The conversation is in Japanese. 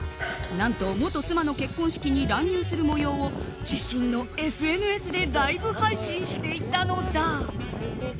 何と、元妻の結婚式に乱入する模様を自身のＳＮＳでライブ配信していたのだ。